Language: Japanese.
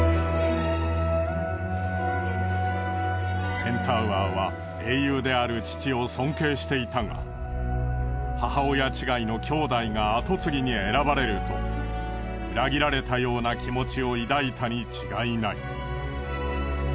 ペンタウアーは英雄である父を尊敬していたが母親違いの兄弟が跡継ぎに選ばれると裏切られたような気持ちを抱いたに違いない。